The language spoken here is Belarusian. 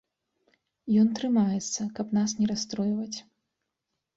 Ён трымаецца, каб нас не расстройваць.